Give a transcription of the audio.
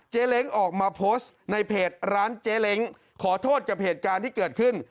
เล้งออกมาโพสต์ในเพจร้านเจ๊เล้งขอโทษกับเหตุการณ์ที่เกิดขึ้น